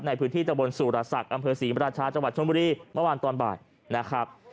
ในพื้นที่ตะบนสุรศักดิ์อำเภอศรีมราชาจังหวัดชนบุรีเมื่อวานตอนบ่ายนะครับ